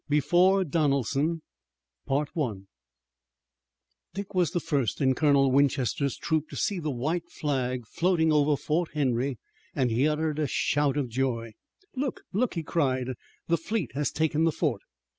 BEFORE DONELSON Dick was the first in Colonel Winchester's troop to see the white flag floating over Fort Henry and he uttered a shout of joy. "Look! look!" he cried, "the fleet has taken the fort!"